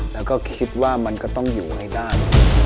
แล้วก็คิดว่ามันก็ต้องอยู่ให้ได้